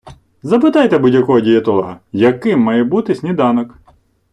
Запитайте будь-якого дієтолога: «Яким має бути сніданок?»